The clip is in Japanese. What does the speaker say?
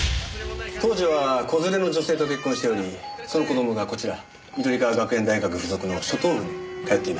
当時は子連れの女性と結婚しておりその子供がこちら緑川学園大学付属の初等部に通っていました。